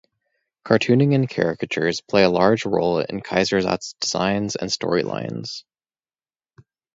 Cartooning and caricatures play a large role in Kaisersatt's designs and story lines.